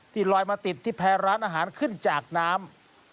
ลอยมาติดที่แพรร้านอาหารขึ้นจากน้ำ